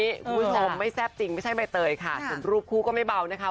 คุณผู้ชมไม่แซ่บจริงไม่ใช่ใบเตยค่ะส่วนรูปคู่ก็ไม่เบานะคะ